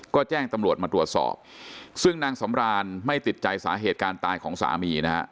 ก็แจ้งตำรวจมาตรวจสอบซึ่งนางสำรานไม่ติดใจสาเหตุการตายของสามีนะฮะ